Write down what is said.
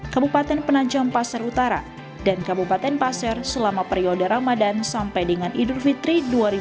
kabupaten penajam pasar utara dan kabupaten pasir selama periode ramadan sampai dengan idul fitri dua ribu dua puluh